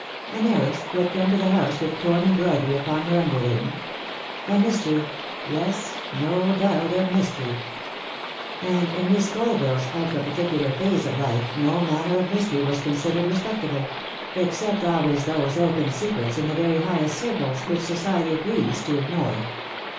An heiress who had come to the house with torn embroidery upon her under linen. A mystery yes, no doubt a mystery. And in Miss Colville's ultra particular phase of life no manner of mystery was considered respectable ; except always those open secrets in the very highest circles which society agrees to ignore.